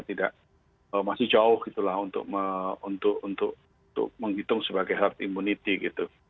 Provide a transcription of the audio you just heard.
tidak masih jauh gitu lah untuk menghitung sebagai heart immunity gitu